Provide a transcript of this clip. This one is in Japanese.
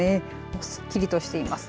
すっきりとしています。